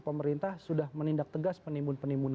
pemerintah sudah menindak tegas penimbun penimbun